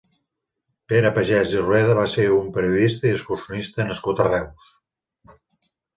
Pere Pagès i Rueda va ser un periodista i excursionista nascut a Reus.